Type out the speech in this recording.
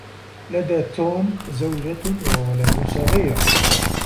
لدى توم زوجة وولد صغير.